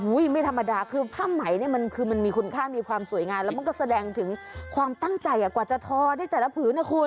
ไม่ธรรมดาคือผ้าไหมเนี่ยมันคือมันมีคุณค่ามีความสวยงามแล้วมันก็แสดงถึงความตั้งใจกว่าจะทอได้แต่ละผืนนะคุณ